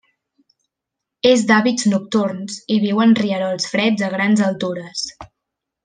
És d'hàbits nocturns i viu en rierols freds a grans altures.